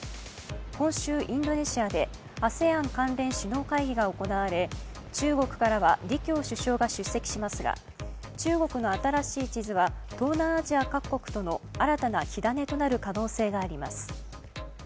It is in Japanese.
今週、インドネシアでＡＳＥＡＮ関連首脳会議が行われ中国からは李強首相が出席しますが中国の新しい地図は東南アジア各国との新たな火種となる可能性があります。